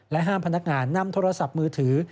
ห้ามพนักงานนำโทรศัพท์มือถือ